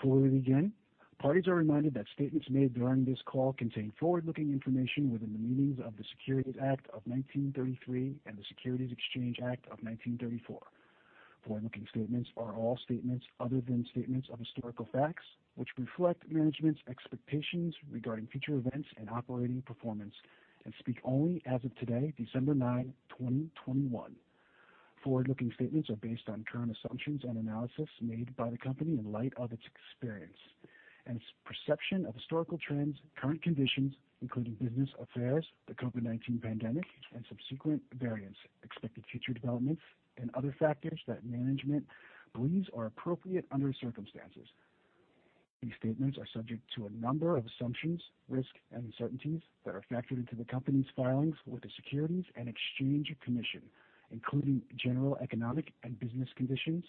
Before we begin, parties are reminded that statements made during this call contain forward-looking information within the meanings of the Securities Act of 1933 and the Securities Exchange Act of 1934. Forward-looking statements are all statements other than statements of historical facts which reflect management's expectations regarding future events and operating performance and speak only as of today, December 9, 2021. Forward-looking statements are based on current assumptions and analysis made by the company in light of its experience and its perception of historical trends, current conditions, including business affairs, the COVID-19 pandemic and subsequent variants, expected future developments, and other factors that management believes are appropriate under the circumstances. These statements are subject to a number of assumptions, risks, and uncertainties that are factored into the company's filings with the Securities and Exchange Commission, including general economic and business conditions,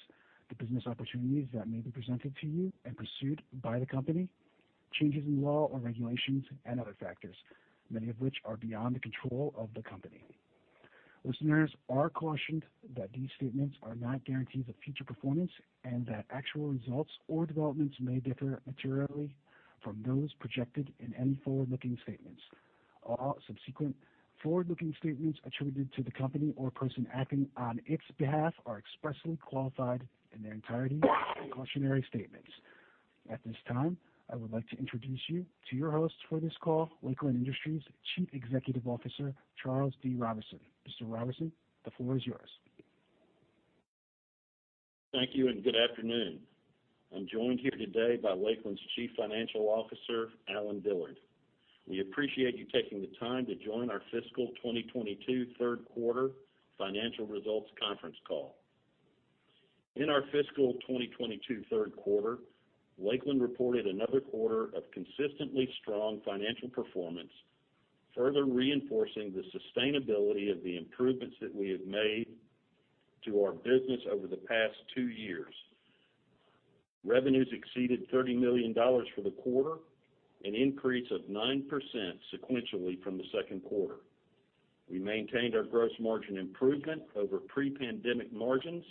the business opportunities that may be presented to you and pursued by the company, changes in law or regulations and other factors, many of which are beyond the control of the company. Listeners are cautioned that these statements are not guarantees of future performance, and that actual results or developments may differ materially from those projected in any forward-looking statements. All subsequent forward-looking statements attributed to the company or person acting on its behalf are expressly qualified in their entirety as cautionary statements. At this time, I would like to introduce you to your host for this call, Lakeland Industries Chief Executive Officer, Charles D. Roberson. Mr. Roberson, the floor is yours. Thank you and good afternoon. I'm joined here today by Lakeland's Chief Financial Officer, Allen Dillard. We appreciate you taking the time to join our fiscal 2022 third quarter financial results conference call. In our fiscal 2022 third quarter, Lakeland reported another quarter of consistently strong financial performance, further reinforcing the sustainability of the improvements that we have made to our business over the past two years. Revenues exceeded $30 million for the quarter, an increase of 9% sequentially from the second quarter. We maintained our gross margin improvement over pre-pandemic margins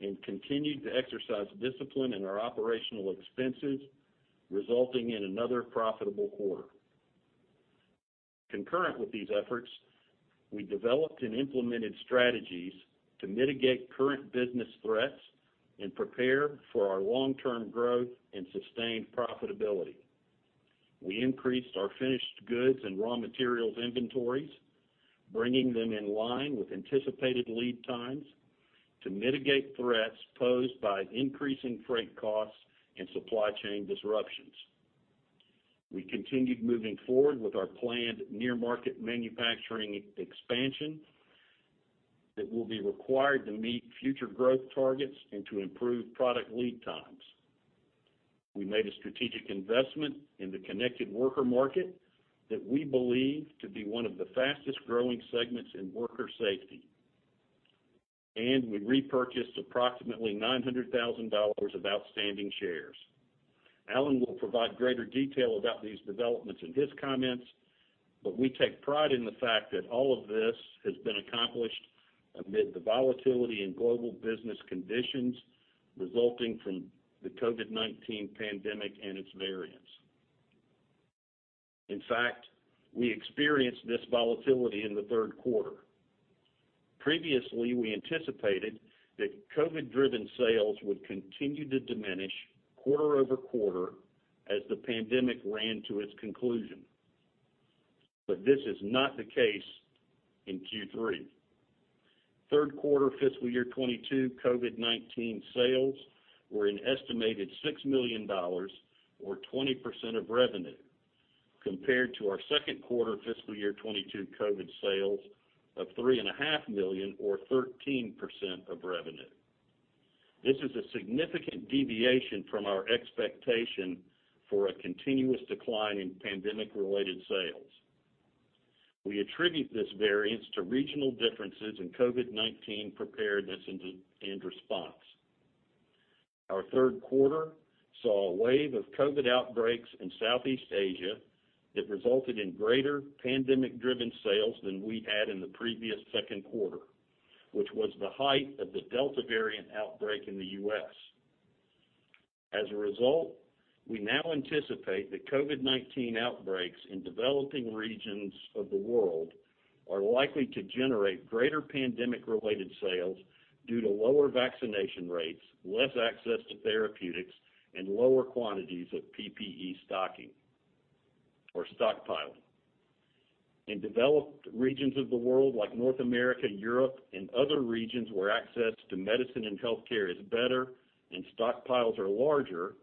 and continued to exercise discipline in our operational expenses, resulting in another profitable quarter. Concurrent with these efforts, we developed and implemented strategies to mitigate current business threats and prepare for our long-term growth and sustained profitability. We increased our finished goods and raw materials inventories, bringing them in line with anticipated lead times to mitigate threats posed by increasing freight costs and supply chain disruptions. We continued moving forward with our planned near-market manufacturing expansion that will be required to meet future growth targets and to improve product lead times. We made a strategic investment in the connected worker market that we believe to be one of the fastest growing segments in worker safety. We repurchased approximately $900,000 of outstanding shares. Allen will provide greater detail about these developments in his comments, but we take pride in the fact that all of this has been accomplished amid the volatility in global business conditions resulting from the COVID-19 pandemic and its variants. In fact, we experienced this volatility in the third quarter. Previously, we anticipated that COVID-driven sales would continue to diminish quarter-over-quarter as the pandemic ran to its conclusion. This is not the case in Q3. Third quarter FY 2022 COVID-19 sales were an estimated $6 million, or 20% of revenue, compared to our second quarter FY 2022 COVID sales of $3.5 million or 13% of revenue. This is a significant deviation from our expectation for a continuous decline in pandemic-related sales. We attribute this variance to regional differences in COVID-19 preparedness and response. Our third quarter saw a wave of COVID outbreaks in Southeast Asia that resulted in greater pandemic-driven sales than we had in the previous second quarter, which was the height of the Delta variant outbreak in the U.S. As a result, we now anticipate that COVID-19 outbreaks in developing regions of the world are likely to generate greater pandemic-related sales due to lower vaccination rates, less access to therapeutics, and lower quantities of PPE stocking or stockpiling. In developed regions of the world like North America, Europe, and other regions where access to medicine and healthcare is better and stockpiles are larger,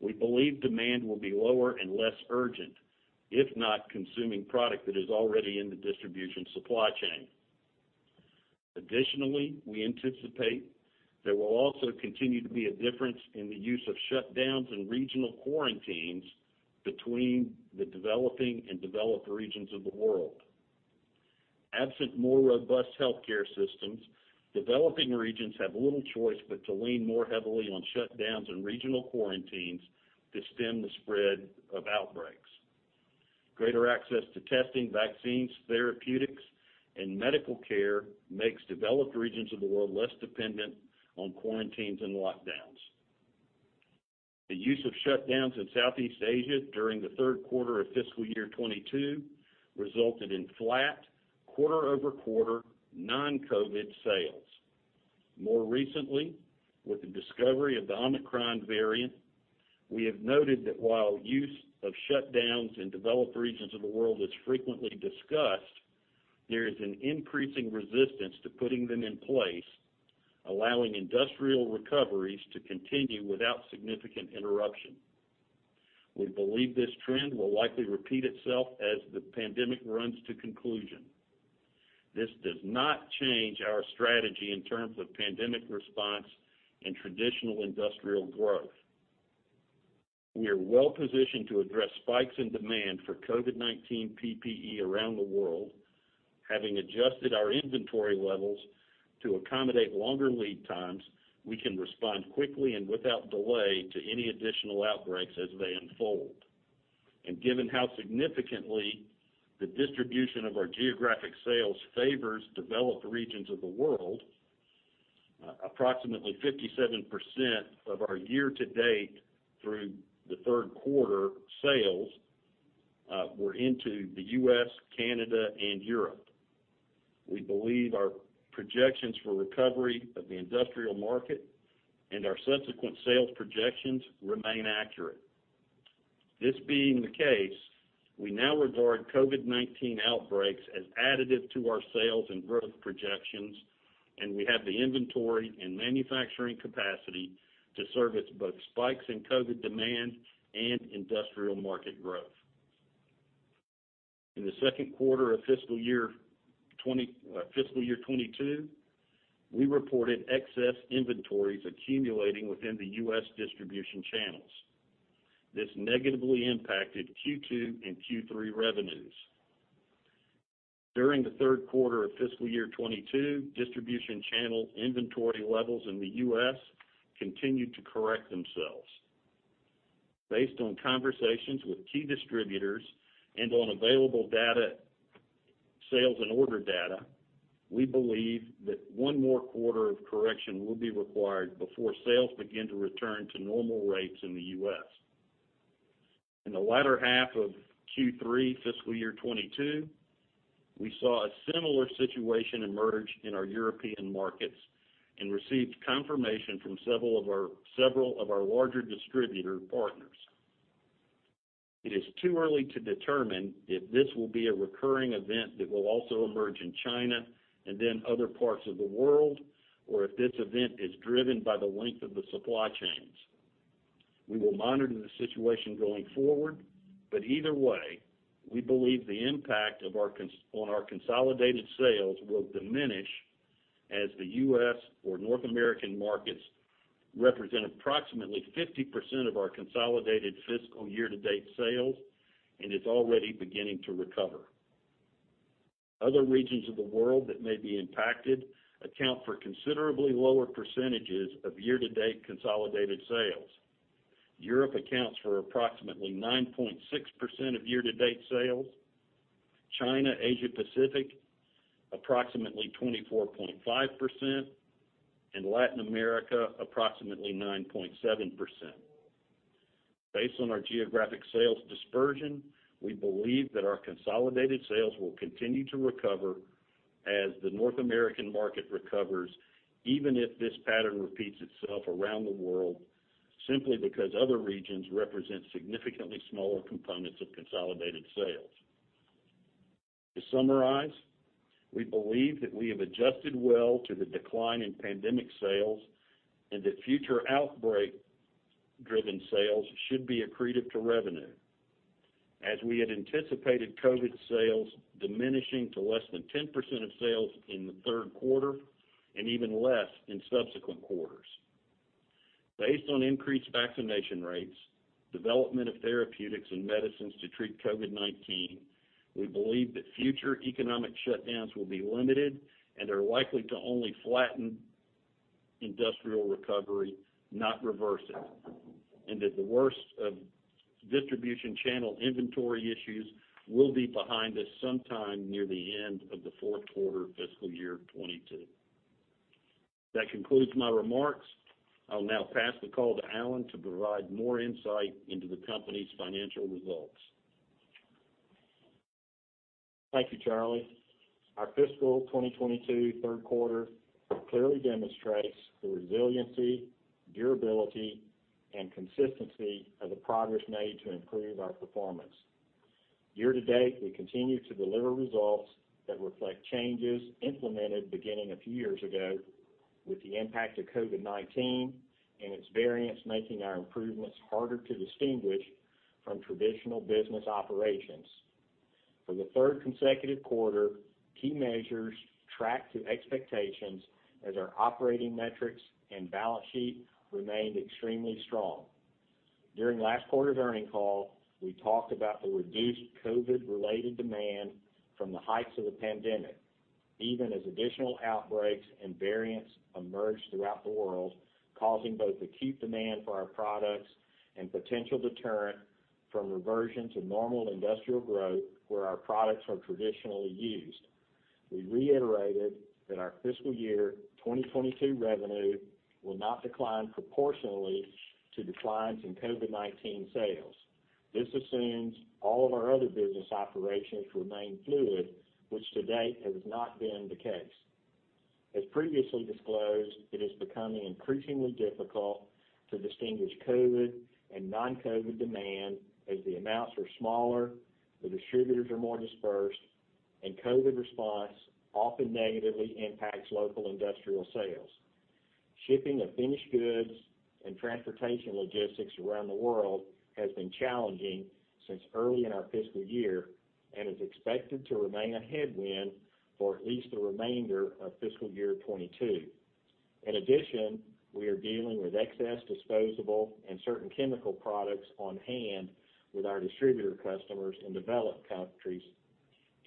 we believe demand will be lower and less urgent if not consuming product that is already in the distribution supply chain. Additionally, we anticipate there will also continue to be a difference in the use of shutdowns and regional quarantines between the developing and developed regions of the world. Absent more robust healthcare systems, developing regions have little choice but to lean more heavily on shutdowns and regional quarantines to stem the spread of outbreaks. Greater access to testing, vaccines, therapeutics, and medical care makes developed regions of the world less dependent on quarantines and lockdowns. The use of shutdowns in Southeast Asia during the third quarter of fiscal year 2022 resulted in flat quarter-over-quarter non-COVID sales. More recently, with the discovery of the Omicron variant, we have noted that while use of shutdowns in developed regions of the world is frequently discussed, there is an increasing resistance to putting them in place, allowing industrial recoveries to continue without significant interruption. We believe this trend will likely repeat itself as the pandemic runs to conclusion. This does not change our strategy in terms of pandemic response and traditional industrial growth. We are well-positioned to address spikes in demand for COVID-19 PPE around the world. Having adjusted our inventory levels to accommodate longer lead times, we can respond quickly and without delay to any additional outbreaks as they unfold. Given how significantly the distribution of our geographic sales favors developed regions of the world, approximately 57% of our year-to-date through the third quarter sales were into the U.S., Canada, and Europe. We believe our projections for recovery of the industrial market and our subsequent sales projections remain accurate. This being the case, we now regard COVID-19 outbreaks as additive to our sales and growth projections, and we have the inventory and manufacturing capacity to service both spikes in COVID demand and industrial market growth. In the second quarter of fiscal year 2022, we reported excess inventories accumulating within the U.S. distribution channels. This negatively impacted Q2 and Q3 revenues. During the third quarter of fiscal year 2022, distribution channel inventory levels in the U.S. continued to correct themselves. Based on conversations with key distributors and on available data, sales, and order data, we believe that one more quarter of correction will be required before sales begin to return to normal rates in the U.S. In the latter half of Q3 fiscal year 2022, we saw a similar situation emerge in our European markets and received confirmation from several of our larger distributor partners. It is too early to determine if this will be a recurring event that will also emerge in China and then other parts of the world, or if this event is driven by the length of the supply chains. We will monitor the situation going forward, but either way, we believe the impact on our consolidated sales will diminish as the U.S. or North American markets represent approximately 50% of our consolidated fiscal year-to-date sales and is already beginning to recover. Other regions of the world that may be impacted account for considerably lower percentages of year-to-date consolidated sales. Europe accounts for approximately 9.6% of year-to-date sales. China, Asia Pacific, approximately 24.5%. Latin America, approximately 9.7%. Based on our geographic sales dispersion, we believe that our consolidated sales will continue to recover as the North American market recovers, even if this pattern repeats itself around the world, simply because other regions represent significantly smaller components of consolidated sales. To summarize, we believe that we have adjusted well to the decline in pandemic sales, and that future outbreak-driven sales should be accretive to revenue, as we had anticipated COVID sales diminishing to less than 10% of sales in the third quarter and even less in subsequent quarters. Based on increased vaccination rates, development of therapeutics and medicines to treat COVID-19, we believe that future economic shutdowns will be limited and are likely to only flatten industrial recovery, not reverse it, and that the worst of distribution channel inventory issues will be behind us sometime near the end of the fourth quarter of fiscal year 2022. That concludes my remarks. I'll now pass the call to Allen to provide more insight into the company's financial results. Thank you, Charlie. Our fiscal 2022 third quarter clearly demonstrates the resiliency, durability, and consistency of the progress made to improve our performance. Year-to-date, we continue to deliver results that reflect changes implemented beginning a few years ago with the impact of COVID-19 and its variants making our improvements harder to distinguish from traditional business operations. For the third consecutive quarter, key measures tracked to expectations as our operating metrics and balance sheet remained extremely strong. During last quarter's earnings call, we talked about the reduced COVID-related demand from the heights of the pandemic. Even as additional outbreaks and variants emerge throughout the world, causing both acute demand for our products and potential deterrent from reversion to normal industrial growth where our products are traditionally used. We reiterated that our fiscal year 2022 revenue will not decline proportionally to declines in COVID-19 sales. This assumes all of our other business operations remain fluid, which to date has not been the case. As previously disclosed, it is becoming increasingly difficult to distinguish COVID and non-COVID demand as the amounts are smaller, the distributors are more dispersed, and COVID response often negatively impacts local industrial sales. Shipping of finished goods and transportation logistics around the world has been challenging since early in our fiscal year and is expected to remain a headwind for at least the remainder of fiscal year 2022. In addition, we are dealing with excess disposable and certain chemical products on hand with our distributor customers in developed countries,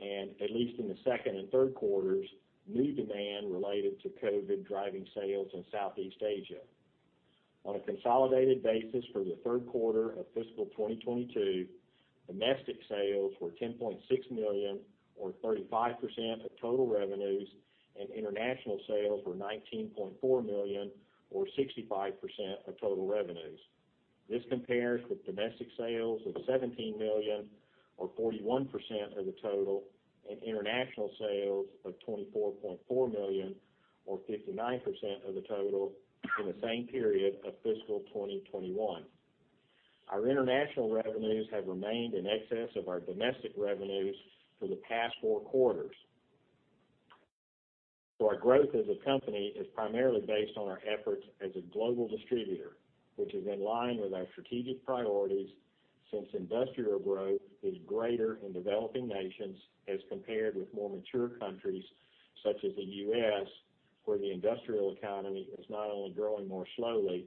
and at least in the second and third quarters, new demand related to COVID driving sales in Southeast Asia. On a consolidated basis for the third quarter of fiscal 2022, domestic sales were $10.6 million, or 35% of total revenues, and international sales were $19.4 million, or 65% of total revenues. This compares with domestic sales of $17 million or 41% of the total, and international sales of $24.4 million or 59% of the total in the same period of fiscal 2021. Our international revenues have remained in excess of our domestic revenues for the past four quarters. Our growth as a company is primarily based on our efforts as a global distributor, which is in line with our strategic priorities since industrial growth is greater in developing nations as compared with more mature countries such as the U.S., where the industrial economy is not only growing more slowly,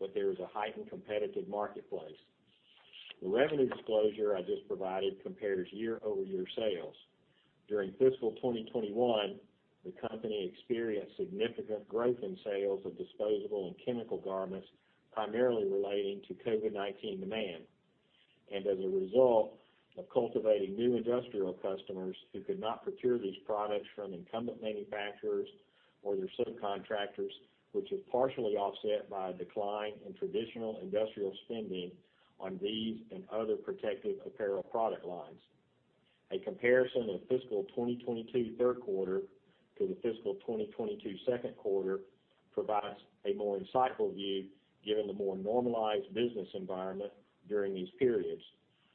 but there is a heightened competitive marketplace. The revenue disclosure I just provided compares year-over-year sales. During fiscal 2021, the company experienced significant growth in sales of disposable and chemical garments, primarily relating to COVID-19 demand. As a result of cultivating new industrial customers who could not procure these products from incumbent manufacturers or their subcontractors, which is partially offset by a decline in traditional industrial spending on these and other protective apparel product lines. A comparison of fiscal 2022 third quarter to the fiscal 2022 second quarter provides a more insightful view given the more normalized business environment during these periods,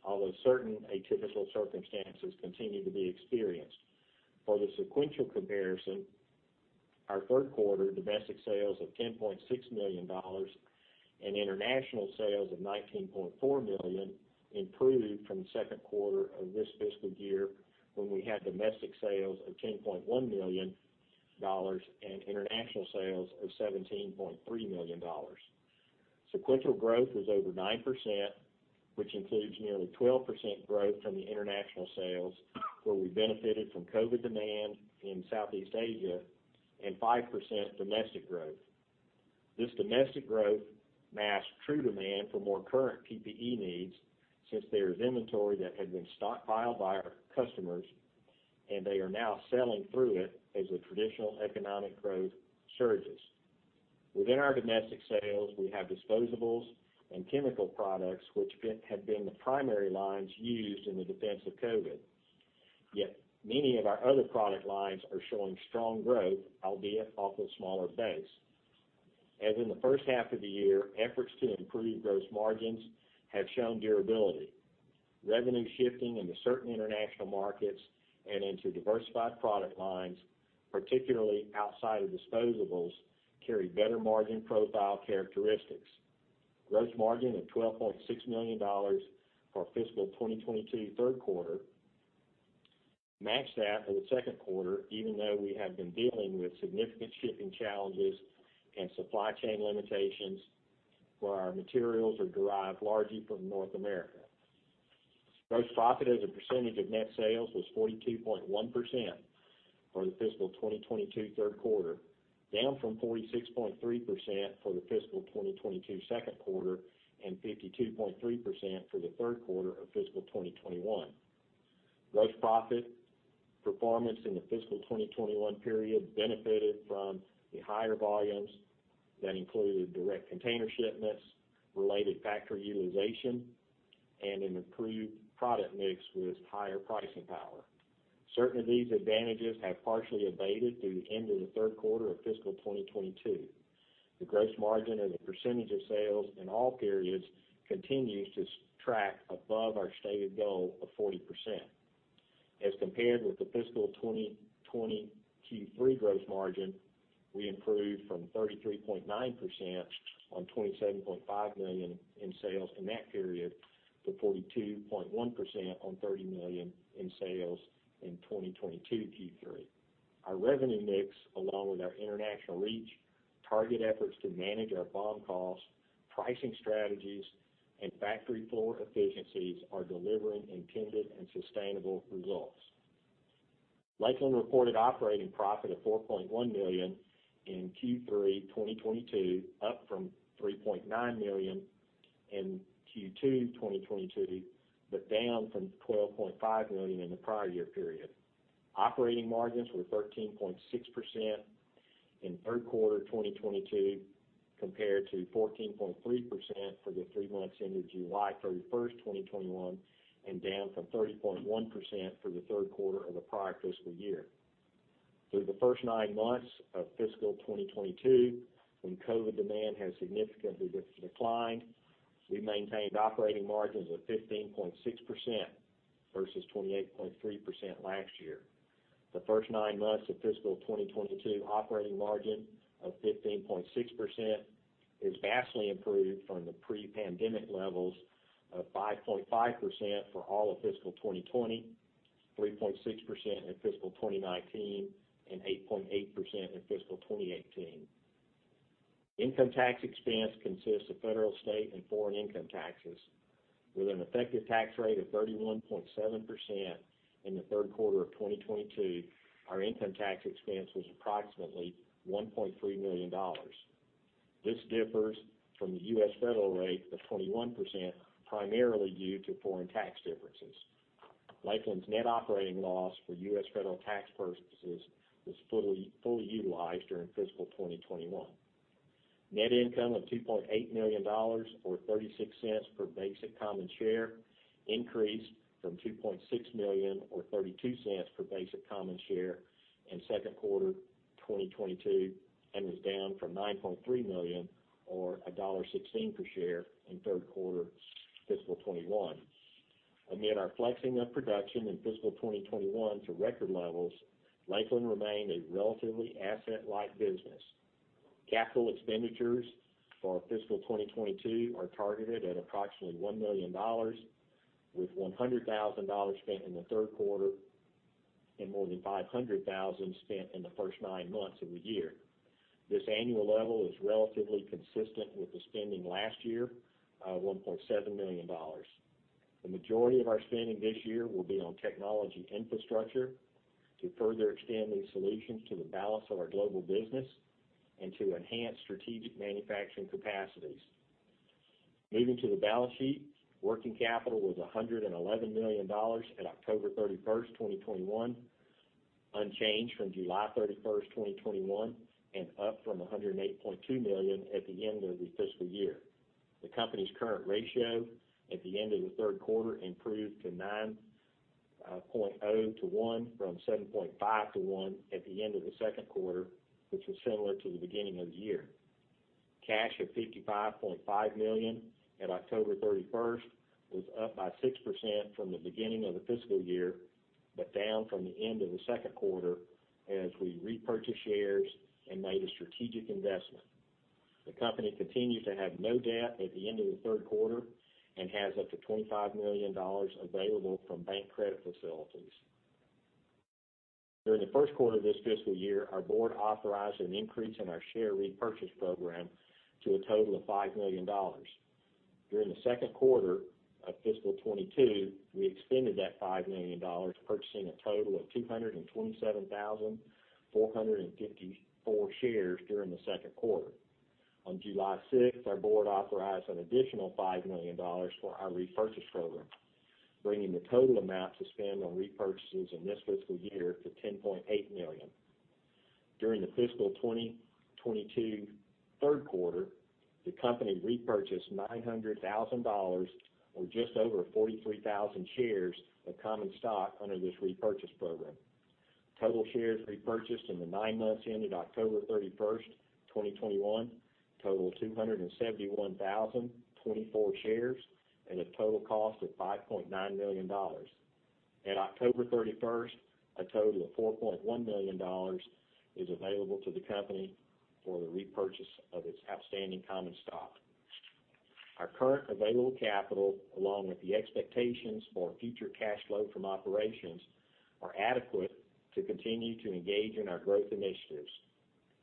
although certain atypical circumstances continue to be experienced. For the sequential comparison, our third quarter domestic sales of $10.6 million and international sales of $19.4 million improved from the second quarter of this fiscal year, when we had domestic sales of $10.1 million and international sales of $17.3 million. Sequential growth was over 9%, which includes nearly 12% growth from the international sales, where we benefited from COVID demand in Southeast Asia and 5% domestic growth. This domestic growth masks true demand for more current PPE needs since there is inventory that had been stockpiled by our customers, and they are now selling through it as the traditional economic growth surges. Within our domestic sales, we have disposables and chemical products which have been the primary lines used in the defense of COVID. Yet many of our other product lines are showing strong growth, albeit off a smaller base. As in the first half of the year, efforts to improve gross margins have shown durability. Revenue shifting into certain international markets and into diversified product lines, particularly outside of disposables, carry better margin profile characteristics. Gross margin of $12.6 million for our fiscal 2022 third quarter matched that of the second quarter, even though we have been dealing with significant shipping challenges and supply chain limitations where our materials are derived largely from North America. Gross profit as a percentage of net sales was 42.1% for the fiscal 2022 third quarter, down from 46.3% for the fiscal 2022 second quarter and 52.3% for the third quarter of fiscal 2021. Gross profit performance in the fiscal 2021 period benefited from the higher volumes that included direct container shipments, related factory utilization, and an improved product mix with higher pricing power. Certain of these advantages have partially abated through the end of the third quarter of fiscal 2022. The gross margin as a percentage of sales in all periods continues to track above our stated goal of 40%. As compared with the fiscal 2021 Q3 gross margin, we improved from 33.9% on $27.5 million in sales in that period to 42.1% on $30 million in sales in 2022 Q3. Our revenue mix, along with our international reach, target efforts to manage our BOM costs, pricing strategies, and factory floor efficiencies are delivering intended and sustainable results. Lakeland reported operating profit of $4.1 million in Q3 2022, up from $3.9 million in Q2 2022, but down from $12.5 million in the prior year period. Operating margins were 13.6% in third quarter 2022, compared to 14.3% for the three months ended July 31, 2021, and down from 30.1% for the third quarter of the prior fiscal year. Through the first nine months of fiscal 2022, when COVID demand has significantly declined, we maintained operating margins of 15.6% versus 28.3% last year. The first nine months of fiscal 2022 operating margin of 15.6% is vastly improved from the pre-pandemic levels of 5.5% for all of fiscal 2020, 3.6% in fiscal 2019, and 8.8% in fiscal 2018. Income tax expense consists of federal, state, and foreign income taxes with an effective tax rate of 31.7% in the third quarter of 2022. Our income tax expense was approximately $1.3 million. This differs from the U.S. federal rate of 21%, primarily due to foreign tax differences. Lakeland's net operating loss for U.S. federal tax purposes was fully utilized during fiscal 2021. Net income of $2.8 million or $0.36 per basic common share increased from $2.6 million or $0.32 per basic common share in second quarter 2022, and was down from $9.3 million or $1.16 per share in third quarter fiscal 2021. Amid our flexing of production in fiscal 2021 to record levels, Lakeland remained a relatively asset-light business. Capital expenditures for our fiscal 2022 are targeted at approximately $1 million, with $100,000 spent in the third quarter and more than $500,000 spent in the first nine months of the year. This annual level is relatively consistent with the spending last year of $1.7 million. The majority of our spending this year will be on technology infrastructure to further extend these solutions to the balance of our global business and to enhance strategic manufacturing capacities. Moving to the balance sheet. Working capital was $111 million at October 31, 2021, unchanged from July 31, 2021 and up from $108.2 million at the end of the fiscal year. The company's current ratio at the end of the third quarter improved to 9.0 to 1 from 7.5 to 1 at the end of the second quarter, which was similar to the beginning of the year. Cash of $55.5 million at October 31 was up 6% from the beginning of the fiscal year, but down from the end of the second quarter as we repurchased shares and made a strategic investment. The company continues to have no debt at the end of the third quarter and has up to $25 million available from bank credit facilities. During the first quarter of this fiscal year, our board authorized an increase in our share repurchase program to a total of $5 million. During the second quarter of fiscal 2022, we extended that $5 million, purchasing a total of 227,454 shares during the second quarter. On July 6th, our board authorized an additional $5 million for our repurchase program, bringing the total amount to spend on repurchases in this fiscal year to $10.8 million. During the fiscal 2022 third quarter, the company repurchased $900,000 or just over 43,000 shares of common stock under this repurchase program. Total shares repurchased in the nine months ended October 31, 2021 total 271,024 shares at a total cost of $5.9 million. At October 31, a total of $4.1 million is available to the company for the repurchase of its outstanding common stock. Our current available capital, along with the expectations for future cash flow from operations, are adequate to continue to engage in our growth initiatives.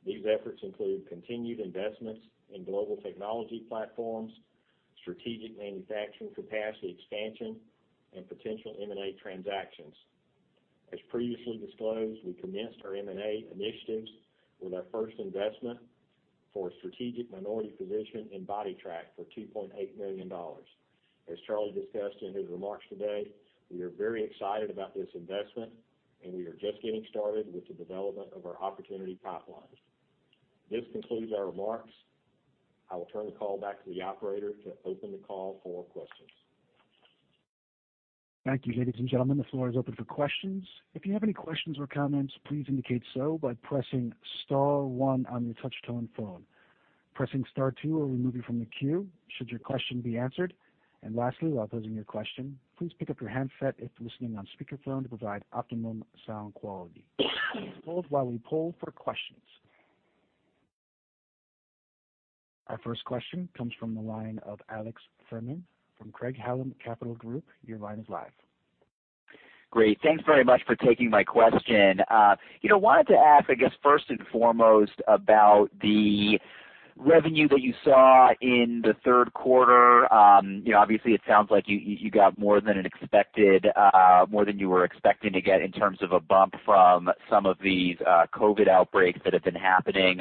These efforts include continued investments in global technology platforms, strategic manufacturing capacity expansion, and potential M&A transactions. As previously disclosed, we commenced our M&A initiatives with our first investment for a strategic minority position in Bodytrak for $2.8 million. As Charlie discussed in his remarks today, we are very excited about this investment and we are just getting started with the development of our opportunity pipeline. This concludes our remarks. I will turn the call back to the operator to open the call for questions. Thank you, ladies and gentlemen. The floor is open for questions. If you have any questions or comments, please indicate so by pressing star one on your touch-tone phone. Pressing star two will remove you from the queue should your question be answered. Lastly, while posing your question, please pick up your handset if listening on speakerphone to provide optimum sound quality. Please hold while we poll for questions. Our first question comes from the line of Alex Fuhrman from Craig-Hallum Capital Group. Your line is live. Great. Thanks very much for taking my question. You know, wanted to ask, I guess, first and foremost about the revenue that you saw in the third quarter. You know, obviously, it sounds like you got more than expected, more than you were expecting to get in terms of a bump from some of these COVID outbreaks that have been happening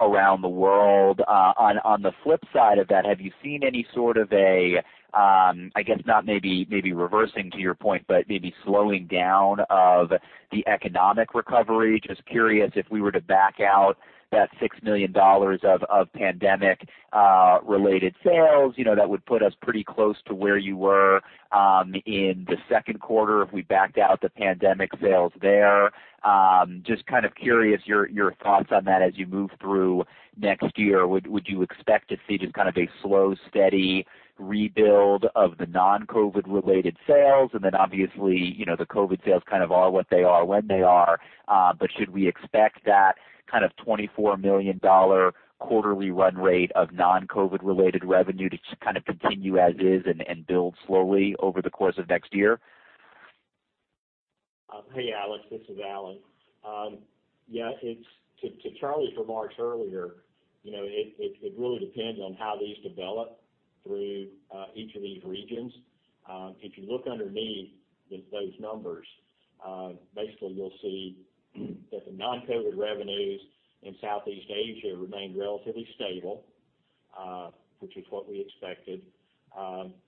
around the world. On the flip side of that, have you seen any sort of a, I guess not maybe reversing to your point, but maybe slowing down of the economic recovery? Just curious if we were to back out that $6 million of pandemic-related sales, you know, that would put us pretty close to where you were in the second quarter if we backed out the pandemic sales there. Just kind of curious your thoughts on that as you move through next year. Would you expect to see just kind of a slow, steady rebuild of the non-COVID related sales? Obviously, you know, the COVID sales kind of are what they are when they are. Should we expect that kind of $24 million quarterly run rate of non-COVID related revenue to kind of continue as is and build slowly over the course of next year? Hey, Alex, this is Allen. Yeah, it's to Charles's remarks earlier, you know, it really depends on how these develop through each of these regions. If you look underneath those numbers, basically you'll see that the non-COVID revenues in Southeast Asia remained relatively stable, which is what we expected.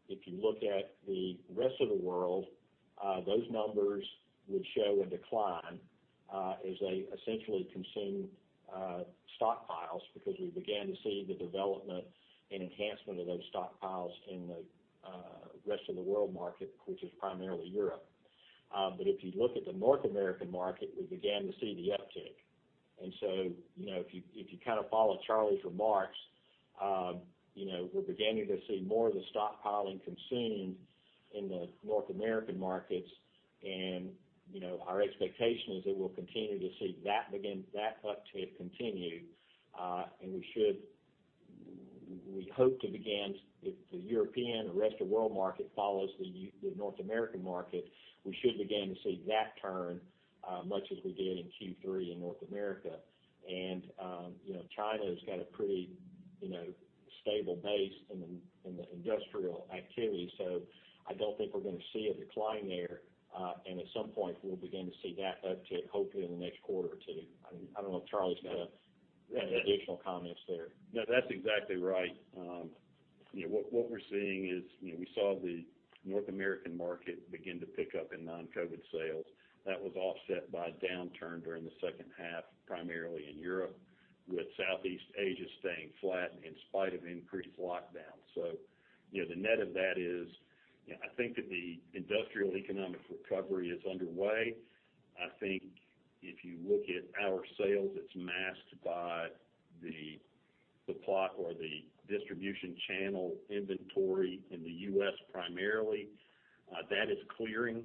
If you look at the rest of the world, those numbers would show a decline, as they essentially consume stockpiles because we began to see the development and enhancement of those stockpiles in the rest of the world market, which is primarily Europe. If you look at the North American market, we began to see the uptick. You know, if you kind of follow Charlie's remarks, you know, we're beginning to see more of the stockpiling consuming in the North American markets. You know, our expectation is that we'll continue to see that uptick continue. We hope to begin, if the European, the rest of the world market follows the North American market, we should begin to see that turn much as we did in Q3 in North America. You know, China has got a pretty, you know, stable base in the industrial activity. I don't think we're gonna see a decline there. At some point, we'll begin to see that uptick, hopefully in the next quarter or two. I don't know if Charlie's got any additional comments there. No, that's exactly right. You know, what we're seeing is, you know, we saw the North American market begin to pick up in non-COVID sales. That was offset by a downturn during the second half, primarily in Europe, with Southeast Asia staying flat in spite of increased lockdowns. You know, the net of that is, you know, I think that the industrial economic recovery is underway. I think if you look at our sales, it's masked by the glut of the distribution channel inventory in the U.S. primarily. That is clearing,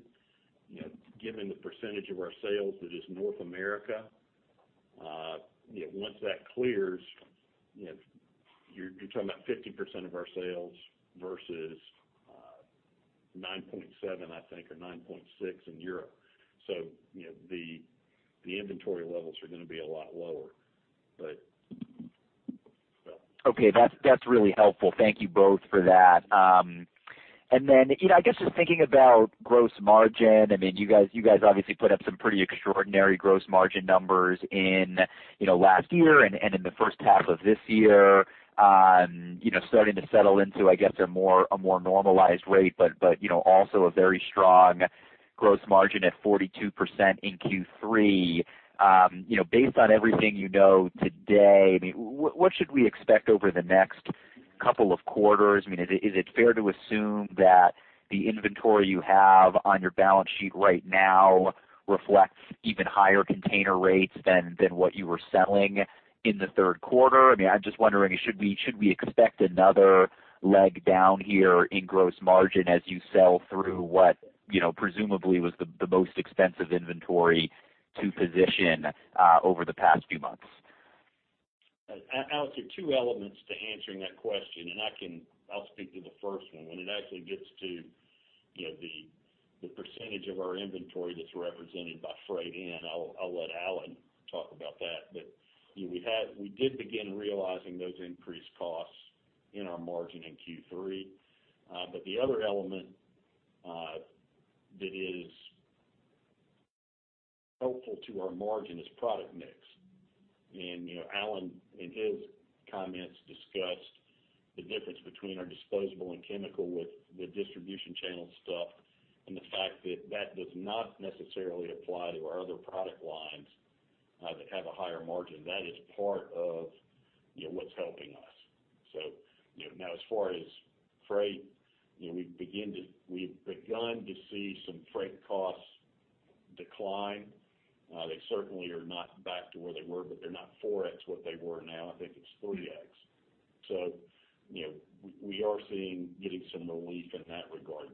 you know, given the percentage of our sales that is North America. You know, once that clears, you know, you're talking about 50% of our sales versus 9.7, I think, or 9.6 in Europe. You know, the inventory levels are gonna be a lot lower, but. Okay. That's really helpful. Thank you both for that. You know, I guess just thinking about gross margin. I mean, you guys obviously put up some pretty extraordinary gross margin numbers in, you know, last year and in the first half of this year. You know, starting to settle into, I guess, a more normalized rate, but you know, also a very strong gross margin at 42% in Q3. You know, based on everything you know today, I mean, what should we expect over the next couple of quarters? I mean, is it fair to assume that the inventory you have on your balance sheet right now reflects even higher container rates than what you were selling in the third quarter? I mean, I'm just wondering, should we expect another leg down here in gross margin as you sell through what, you know, presumably was the most expensive inventory to position over the past few months? Alex, there are two elements to answering that question, and I'll speak to the first one. When it actually gets to, you know, the percentage of our inventory that's represented by freight in, I'll let Allen talk about that. We did begin realizing those increased costs in our margin in Q3. The other element that is helpful to our margin is product mix. You know, Allen, in his comments, discussed the difference between our disposable and chemical with the distribution channel stuff, and the fact that that does not necessarily apply to our other product lines that have a higher margin. That is part of, you know, what's helping us. You know, now as far as freight, we've begun to see some freight costs decline. They certainly are not back to where they were, but they're not 4x what they were now. I think it's 3x. You know, we are getting some relief in that regard.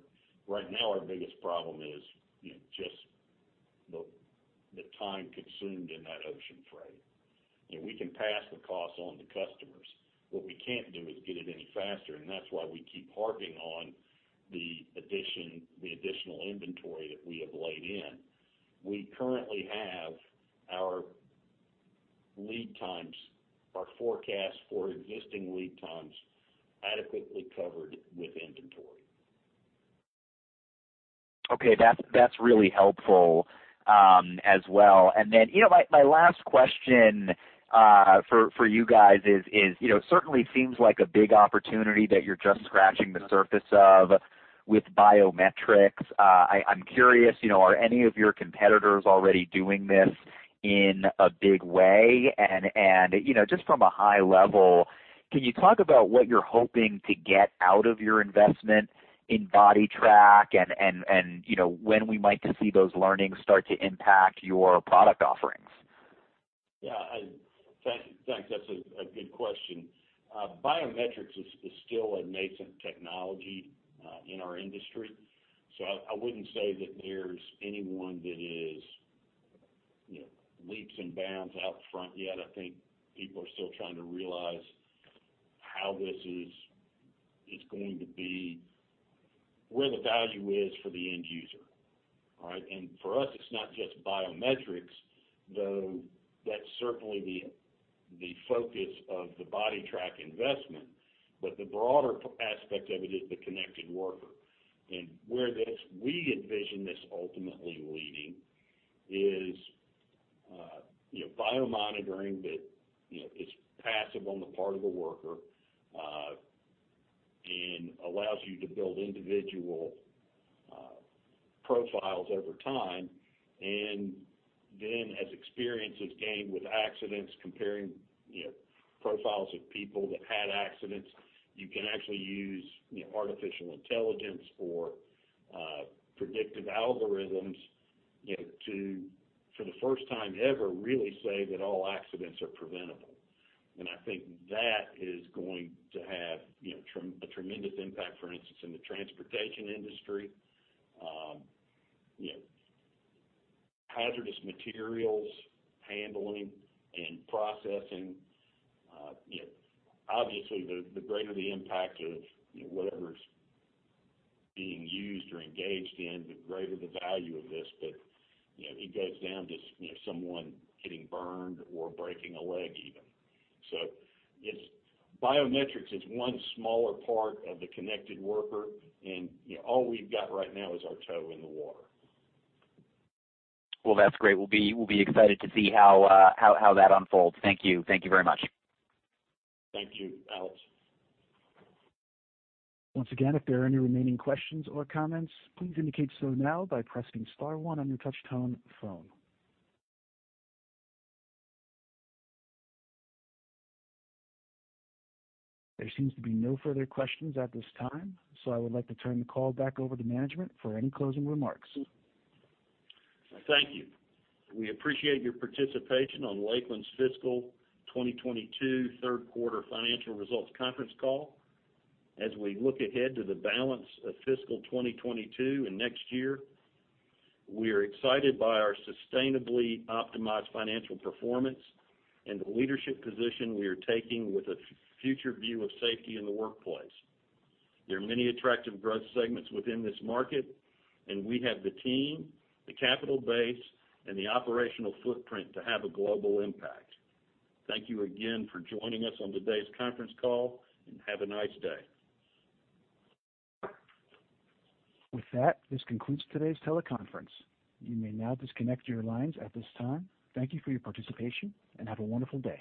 Right now, our biggest problem is, you know, just the time consumed in that ocean freight. You know, we can pass the cost on to customers. What we can't do is get it any faster, and that's why we keep harping on the additional inventory that we have laid in. We currently have our lead times, our forecast for existing lead times adequately covered with inventory. Okay, that's really helpful as well. Then, you know, my last question for you guys is, you know, certainly seems like a big opportunity that you're just scratching the surface of with biometrics. I'm curious, you know, are any of your competitors already doing this in a big way? You know, just from a high level, can you talk about what you're hoping to get out of your investment in Bodytrak and, you know, when we might see those learnings start to impact your product offerings? Yeah, thanks. That's a good question. Biometrics is still a nascent technology in our industry, so I wouldn't say that there's anyone that is, you know, leaps and bounds out front yet. I think people are still trying to realize how this is going to be where the value is for the end user, all right. For us, it's not just biometrics, though, that's certainly the focus of the Bodytrak investment. The broader aspect of it is the connected worker. Where we envision this ultimately leading is, you know, biomonitoring that, you know, is passive on the part of the worker and allows you to build individual profiles over time. Then, as experience is gained with accidents, comparing, you know, profiles of people that had accidents, you can actually use, you know, artificial intelligence or predictive algorithms, you know, to, for the first time ever, really say that all accidents are preventable. I think that is going to have, you know, a tremendous impact, for instance, in the transportation industry, you know, hazardous materials handling and processing. You know, obviously, the greater the impact of, you know, whatever's being used or engaged in, the greater the value of this. You know, it goes down to, you know, someone getting burned or breaking a leg even. Biometrics is one smaller part of the connected worker, and, you know, all we've got right now is our toe in the water. Well, that's great. We'll be excited to see how that unfolds. Thank you. Thank you very much. Thank you, Alex. Once again, if there are any remaining questions or comments, please indicate so now by pressing star one on your touchtone phone. There seems to be no further questions at this time, so I would like to turn the call back over to management for any closing remarks. Thank you. We appreciate your participation on Lakeland's fiscal 2022 third quarter financial results conference call. As we look ahead to the balance of fiscal 2022 and next year, we are excited by our sustainably optimized financial performance and the leadership position we are taking with a future view of safety in the workplace. There are many attractive growth segments within this market, and we have the team, the capital base, and the operational footprint to have a global impact. Thank you again for joining us on today's conference call, and have a nice day. With that, this concludes today's teleconference. You may now disconnect your lines at this time. Thank you for your participation, and have a wonderful day.